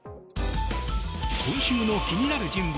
今週の気になる人物